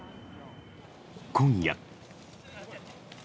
今夜。